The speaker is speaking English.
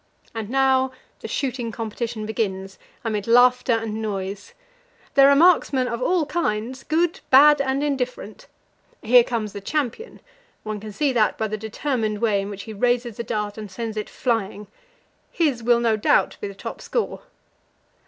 And now the shooting competition begins, amid laughter and noise. There are marksmen of all kinds, good, bad, and indifferent. Here comes the champion one can see that by the determined way in which he raises the dart and sends it flying; his will, no doubt, be the top score.